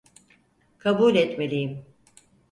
Kabul etmeliyim.